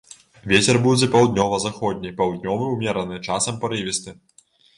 Вецер будзе паўднёва-заходні, паўднёвы ўмераны, часам парывісты.